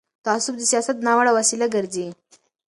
تعصب د سیاست ناوړه وسیله ګرځي